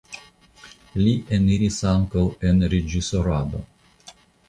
Li eniris ankaŭ en reĝisorado.